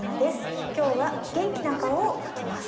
きょうはげんきな顔をかきます。